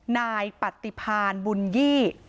นายปฏิพานบุญยี่